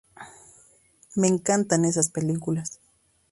Me encantan esas películas.